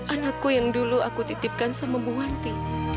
anakku yang dulu aku titipkan sama bu wanti